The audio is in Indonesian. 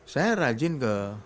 saya rajin ke